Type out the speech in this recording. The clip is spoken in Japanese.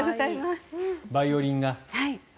バイオリンが。